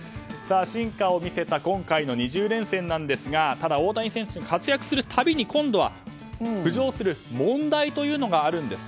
進化を見せた今回の２０連戦なんですがただ大谷選手が活躍する度に浮上する問題というのがあるんです。